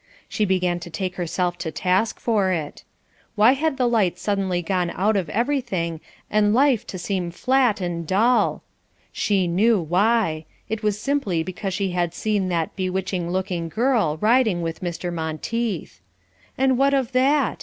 She began to take herself to task for it. Why had the light suddenly gone out of everything and life to seem flat and dull? She knew why. It was simply because she had seen that bewitching looking girl riding with Mr. Monteith. And what of that?